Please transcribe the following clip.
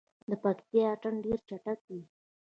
د پکتیا اتن ډیر چټک وي.